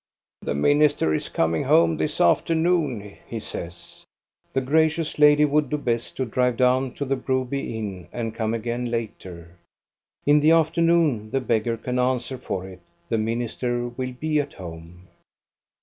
" The minister is coming home this afternoon," he says. The gracious lady would do best to drive down to the Broby inn and come again later. In the after noon, the beggar can answer for it, the minister will be at home.